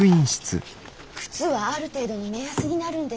靴はある程度の目安になるんです。